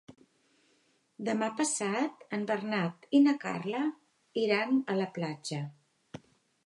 Demà passat en Bernat i na Carla iran a la platja.